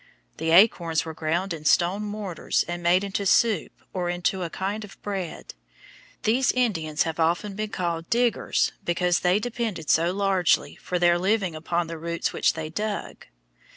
The acorns were ground in stone mortars and made into soup or into a kind of bread. These Indians have often been called Diggers because they depended so largely for their living upon the roots which they dug.